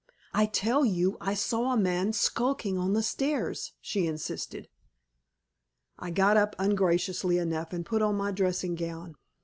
"I tell you, I saw a man skulking on the stairs," she insisted. I got up ungraciously enough, and put on my dressing gown.